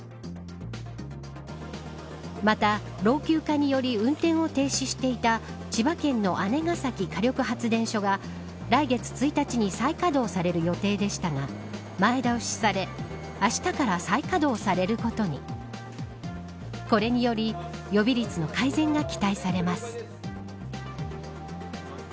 また老朽化により運転を停止していた千葉県の姉崎火力発電所が来月１日に再稼働される予定でしたが前倒しされ、あしたから再稼働されることにこれにより予備率の改善が期待されます。